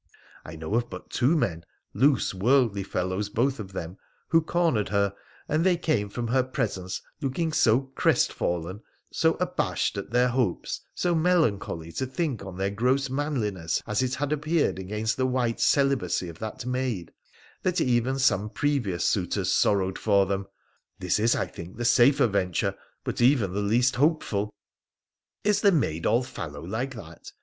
I know of but two men — loose, worldly fellows both of them — who cornered her, and they came from her presence looking so crestfallen, so abashed at their hopes, so melancholy to think on their gross manliness as it had appeared against the white celibacy of that maid, that even some previous suitors sorrowed for them. This is, I think, the safer venture, but even the least hopeful.' ' Is the maid all fallow like that